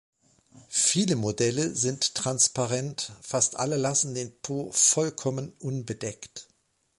Viele Modelle sind transparent, fast alle lassen den Po vollkommen unbedeckt.